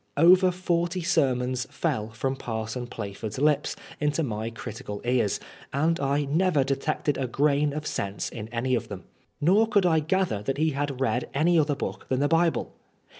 Over forty sermons fell from. Parson Plaford's lips into my critical ears, and I never detected a grain of sense in any of them. Nor could I gather that he had read any other book than the Bible.